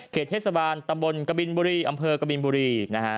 เทศบาลตำบลกบินบุรีอำเภอกบินบุรีนะฮะ